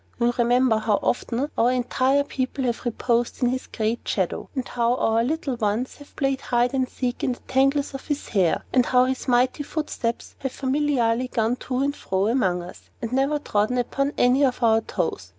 You remember how often our entire people have reposed in his great shadow, and how our little ones have played at hide and seek in the tangles of his hair, and how his mighty footsteps have familiarly gone to and fro among us, and never trodden upon any of our toes.